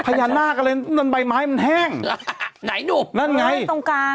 พญานาคอะไรนั่นใบไม้มันแห้งไหนหนุ่มนั่นไงตรงกลาง